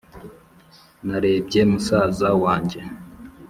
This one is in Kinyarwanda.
narebye musaza wanjye